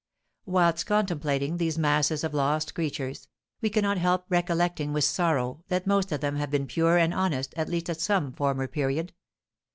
Whilst contemplating these masses of lost creatures, we cannot help recollecting with sorrow that most of them have been pure and honest, at least at some former period.